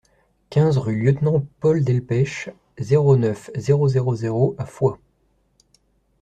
quinze rue Lieutenant Paul Delpech, zéro neuf, zéro zéro zéro à Foix